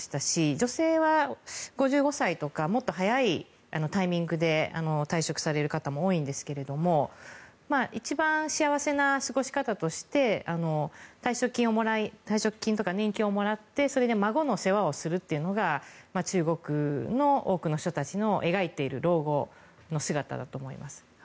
女性は５５歳とかもっと早いタイミングで退職される方も多いんですが一番幸せな過ごし方として退職金とか年金をもらってそれで孫の世話をするというのが中国の多くの人たちの描いている老後の姿だと思います。